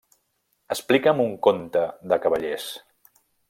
Explica'm un conte de cavallers.